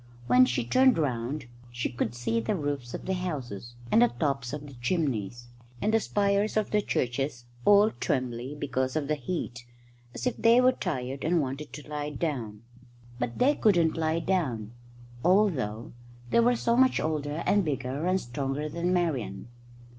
When she turned round she could see the roofs of the houses, and the tops of the chimneys, and the spires of the churches all trembly because of the heat, as if they were tired and wanted to lie down. But they couldn't lie down, although they were so much older and bigger and stronger than Marian.